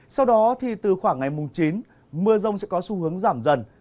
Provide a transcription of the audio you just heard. sau đó thì từ khoảng ngày mùng chín mưa rông sẽ có xu hướng giảm dần